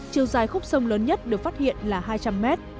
chiều dài khúc sông lớn nhất được phát hiện là hai trăm linh mét